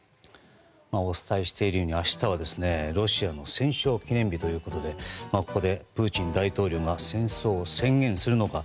お伝えしているように明日はロシアの戦勝記念日ということでここでプーチン大統領が戦争を宣言するのか。